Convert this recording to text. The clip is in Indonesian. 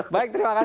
baik terima kasih